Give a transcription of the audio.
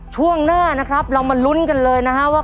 ช่วงหน้านะครับเรามาลุ้นกันเลยนะฮะว่า